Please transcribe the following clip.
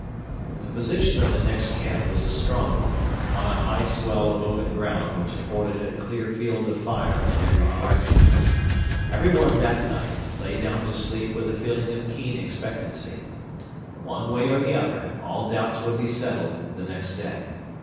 The position of the next camp was a strong one, on a high swell of open ground which afforded a clear field of fire in every direction. Everyone that night lay down to sleep with a feeling of keen expectancy. One way or the other all doubts would be settled the next day.